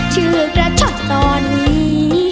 เชือกระชดตอนนี้